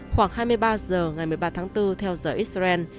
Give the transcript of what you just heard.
khoảng hai mươi ba giờ ngày một mươi ba tháng bốn theo giờ israel